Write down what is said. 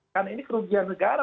karena ini kerugian negara